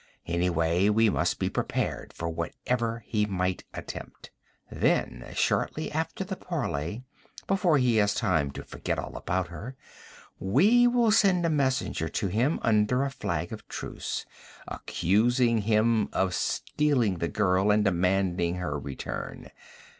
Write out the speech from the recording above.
Anyway, we must be prepared for whatever he might attempt. 'Then, shortly after the parley, before he has time to forget all about her, we will send a messenger to him, under a flag of truce, accusing him of stealing the girl, and demanding her return.